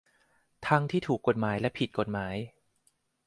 ทั้งที่ถูกกฎหมายและผิดกฎหมาย